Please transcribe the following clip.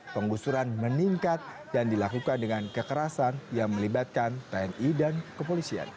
penggusuran meningkat dan dilakukan dengan kekerasan yang melibatkan tni dan kepolisian